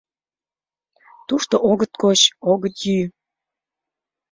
— Тушто огыт коч, огыт йӱ.